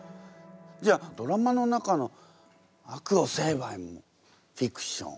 じゃあドラマの中の悪を成敗もフィクション。